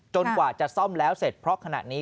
กว่าจะซ่อมแล้วเสร็จเพราะขณะนี้